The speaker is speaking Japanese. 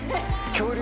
恐竜？